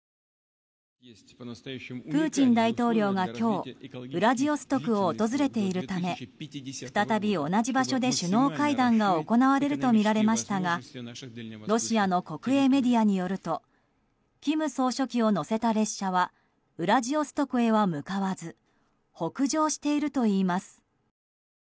プーチン大統領が今日ウラジオストクを訪れているため再び同じ場所で首脳会談が行われるとみられましたがロシアの国営メディアによると金総書記を乗せた列車はウラジオストクへは向かわず北上しているといいます。